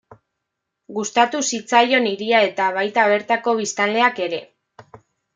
Gustatu zitzaion hiria eta baita bertako biztanleak ere.